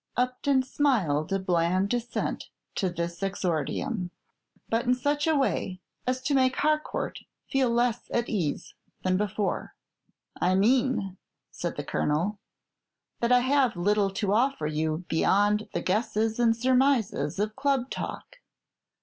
Upton smiled a bland assent to this exordium, but in such a way as to make Harcourt feel less at ease than before. "I mean," said the Colonel, "that I have little to offer you beyond the guesses and surmises of club talk.